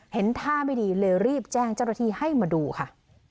เห็นท่าไม่ดีเริ่มรีบแจ้งจักรถีให้มาดูค่ะ